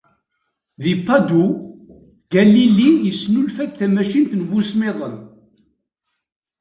Di Padoue, Galili isnulfa-d tamacint n wusmiḍen.